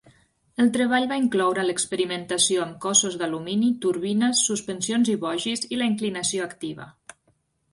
El treball va incloure l'experimentació amb cossos d'alumini, turbines, suspensions i bogis, i la inclinació activa.